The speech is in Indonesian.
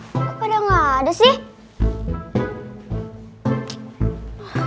kok pada nggak ada sih